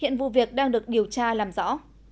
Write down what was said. hiện vụ việc đang được điều tra làm rõ